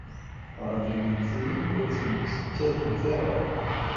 Ṛeggmemt-iyi ur tent-tettadumt ara.